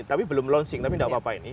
tapi belum launching tapi tidak apa apa ini